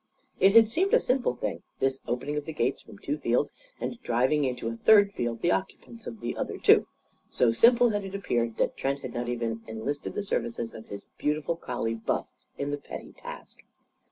It had seemed a simple thing, this opening of the gates from two fields and driving into a third field the occupants of the other two. So simple had it appeared that Trent had not even enlisted the services of his beautiful collie Buff in the petty task.